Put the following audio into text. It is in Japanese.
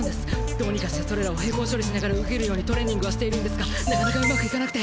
どうにかしてそれらを並行処理しながら動けるようにトレーニングはしているんですがなかなかうまくいかなくて。